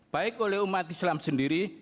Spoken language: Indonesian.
baik oleh umat islam sendiri